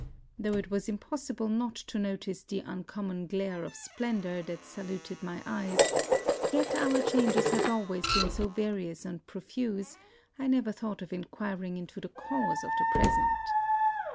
Though it was impossible not to notice the uncommon glare of splendor that saluted my eyes, yet our changes have always been so various and profuse, I never thought of enquiring into the cause of the present.